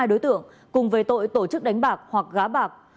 hai đối tượng cùng về tội tổ chức đánh bạc hoặc gá bạc